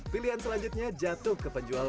pilihan selanjutnya jatuh ke penjual